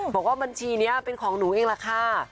บอกว่าบัญชีนี้เป็นของหนูเองล่ะค่ะ